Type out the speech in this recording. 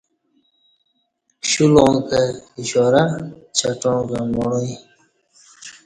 کشولاں کہ اشارہ چٹاں کہ مݨوی